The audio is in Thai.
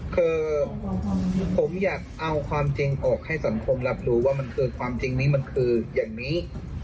คือผมอยากเอาความจริงออกให้สังคมรับรู้ว่ามันคือความจริงนี้มันคืออย่างนี้